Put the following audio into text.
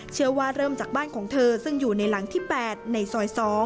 เชื่อว่าเริ่มจากบ้านของเธอซึ่งอยู่ในหลังที่๘ในซอย๒